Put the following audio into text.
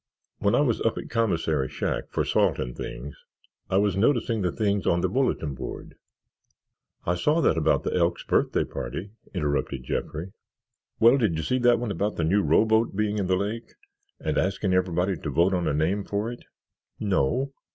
When I was up at commissary shack for salt and things I was noticing the things on the bulletin board." "I saw that about the Elks birthday party," interrupted Jeffrey. "Well, did you see that one about the new rowboat being in the lake and asking everybody to vote on a name for it?" "No."